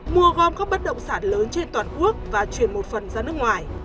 mua gom các bất động sản lớn trên toàn quốc và chuyển một phần ra nước ngoài